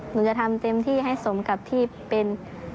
หนูจะทำเต็มที่ให้สมกับที่เป็น